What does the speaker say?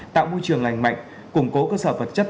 tạo môi trường lành mạnh củng cố cơ sở vật chất